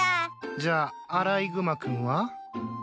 じゃあアライグマ君は？